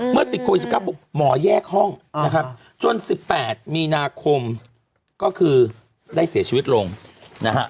ติดโควิด๑๙ปุ๊บหมอแยกห้องนะครับจน๑๘มีนาคมก็คือได้เสียชีวิตลงนะฮะ